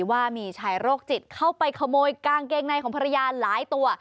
ว่ามีชายโรคจิตเข้าไปขโมยกางเกงในของภรรยาหลายตัว